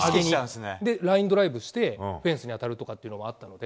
ラインドライブして、フェンスに当たるとかっていうのはあったので。